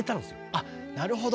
あっなるほど。